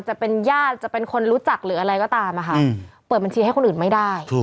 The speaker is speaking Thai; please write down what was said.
จะเป็นญาติจะเป็นคนรู้จักหรืออะไรก็ตามอะค่ะเปิดบัญชีให้คนอื่นไม่ได้